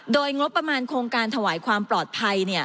โดยงบประมาณโครงการถวายความปลอดภัย